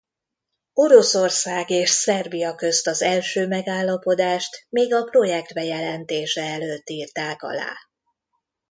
Oroszország és Szerbia közt az első megállapodást még a projekt bejelentése előtt írták alá.